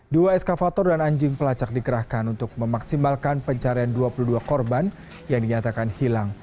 dua eskavator dan anjing pelacak dikerahkan untuk memaksimalkan pencarian dua puluh dua korban yang dinyatakan hilang